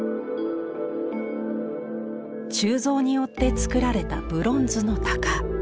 鋳造によって作られたブロンズの鷹。